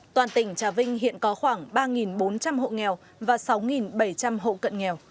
toàn tỉnh trà vinh hiện có khoảng ba bốn trăm linh hộ nghèo và sáu bảy trăm linh hộ cận nghèo